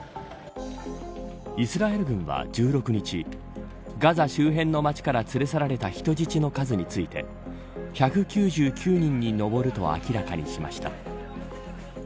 イスラエル軍は１６日ガザ周辺の街から連れ去られた人質の数について１９９人に上ると明らかにしました。